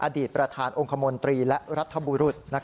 อดีตประธานองค์คมนตรีและรัฐบุรุษ